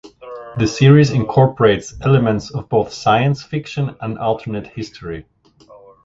The series incorporates elements of both science fiction and alternate history.